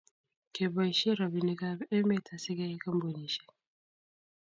keboishe robinikab emet asigeyai kampunishek